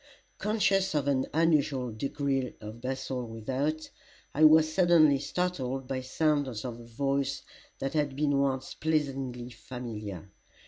Conscious of an unusual degree of bustle without, I was suddenly startled by sounds of a voice that had been once pleasingly familiar.